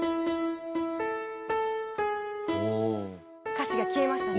歌詞が消えましたね。